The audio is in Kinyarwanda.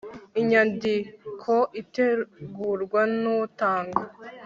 inyandiko itegurwa n utanga